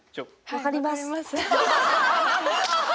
わかります。